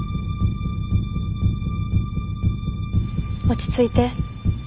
落ち着いて。